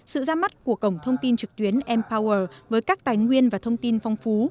sự ra mắt của cổng thông tin trực tuyến empower với các tài nguyên và thông tin phong phú